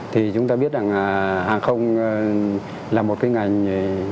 thì chúng ta biết rằng hàng không là một cái ngành